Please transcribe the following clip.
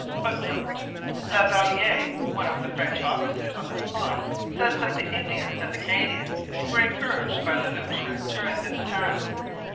[Footnote: La Valliere, one of the French officers on the spot, says that the Indians and Acadians were encouraged by Le Loutre during this attack.